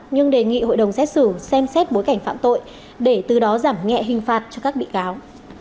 nhưng đề nghị hội đồng xét xử xem xét bối cảnh phạm tội để từ đó giảm nhẹ hình phạt cho các bị cáo